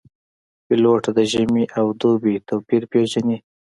پیلوټ د ژمي او دوبي توپیر پېژني.